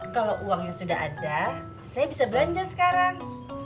kalau uangnya sudah ada saya bisa belanja sekarang